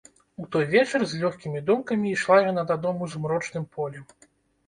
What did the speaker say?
У той вечар з лёгкімі думкамі ішла яна дадому змрочным полем.